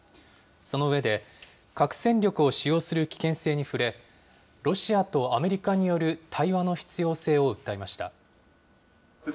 その上で、核戦力を使用する危険性に触れ、ロシアとアメリカによる対話の必要性を訴えました。